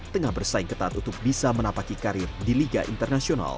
tengah bersaing ketat untuk bisa menapaki karir di liga internasional